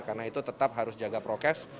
karena itu tetap harus jaga prokes